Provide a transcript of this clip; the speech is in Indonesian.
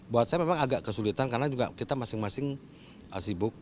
buat saya memang agak kesulitan karena juga kita masing masing sibuk